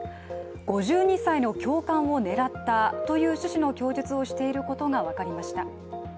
５２歳の教官を狙ったという趣旨の供述をしていることが分かりました。